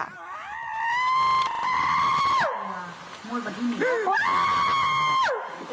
กูว่าอะไรอ้าวท่านหนีอุดหัว